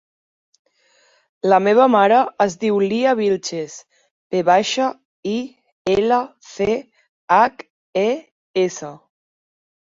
La meva mare es diu Lya Vilches: ve baixa, i, ela, ce, hac, e, essa.